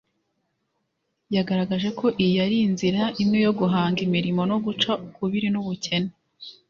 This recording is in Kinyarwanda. yagaragje ko iyi ari inzira imwe yo guhanga imirimo no guca ukubili n’ubukene